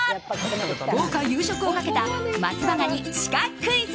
豪華夕食をかけた松葉ガニシカクイズ。